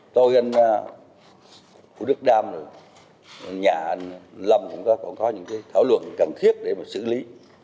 tôi anh phú đức đam nhà anh lâm cũng có những thảo luận cần thiết để xử lý